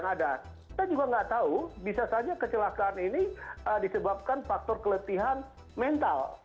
jadi kita juga tidak tahu bisa saja kecelakaan ini disebabkan faktor keletihan mental